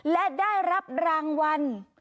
และได้รับรางวัล